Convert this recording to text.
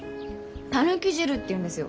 狸汁っていうんですよ。